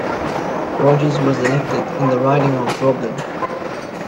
Rogers was elected in the riding of Roblin.